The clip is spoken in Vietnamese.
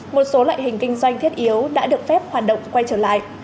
một số loại hình kinh doanh thiết yếu đã được phép hoạt động quay trở lại